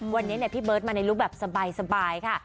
วันนี้พี่เบิร์ตมาในลุคแบบสบายค่ะ